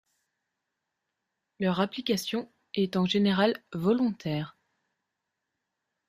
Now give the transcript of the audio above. Leur application est en général volontaire.